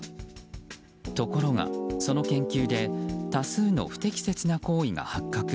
ところが、その研究で多数の不適切な行為が発覚。